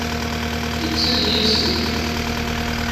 Ittel yiles-iw.